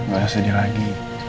gak usah sedih lagi